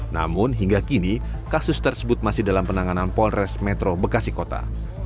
namun hingga kini kasus tersebut masih dalam penanganan polres metro bekasi kota